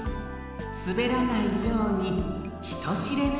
すべらないようにひとしれぬ